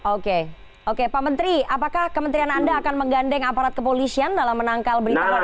oke oke pak menteri apakah kementerian anda akan menggandeng aparat kepolisian dalam menangkal berita ini